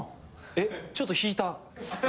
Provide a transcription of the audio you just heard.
えっちょっと引いた。